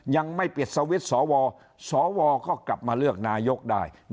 ยังไม่ปิดสวิตช์สวสวก็กลับมาเลือกนายกได้